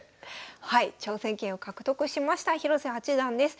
はい挑戦権を獲得しました広瀬八段です。